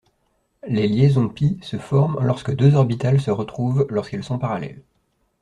Les liaisons π se forment lorsque deux orbitales se recouvrent lorsqu'elles sont parallèles.